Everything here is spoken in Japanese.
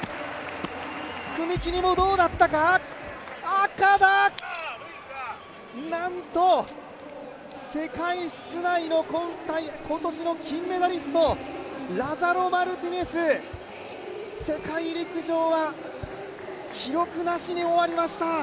赤だ、なんと世界室内の今年の金メダリスト、ラザロ・マルティネス、世界陸上は記録なしに終わりました。